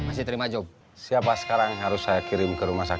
hai hai masih terima job siapa sekarang harus saya kirim ke rumah sakit